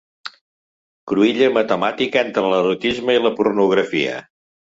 Cruïlla matemàtica entre l'erotisme i la pornografia.